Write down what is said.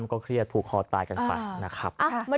ก็เครียดผูกคอตายกันไปนะครับ